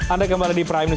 anda kembali di prime news